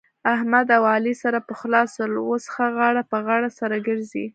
احمد اوعلي سره پخلا سول. اوس ښه غاړه په غاړه سره ګرځي.